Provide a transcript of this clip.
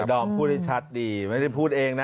ดอมพูดได้ชัดดีไม่ได้พูดเองนะ